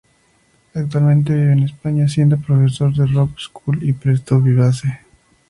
Actualmente vive en España siendo profesor en Rock School y Presto Vivace.